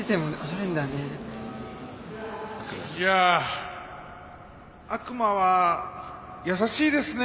いや悪魔は優しいですね。